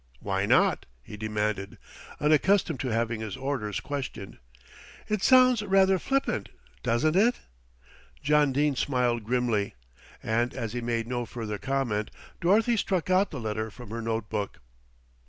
"Why not?" he demanded, unaccustomed to having his orders questioned. "It sounds rather flippant, doesn't it?" John Dene smiled grimly, and as he made no further comment, Dorothy struck out the letter from her note book.